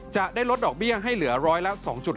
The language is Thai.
จะได้ลดดอกเบี้ยให้เหลือร้อยละ๒๕